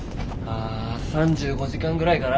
３５時間ぐらいかな。